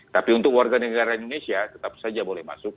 tapi untuk warga negara indonesia tetap saja boleh masuk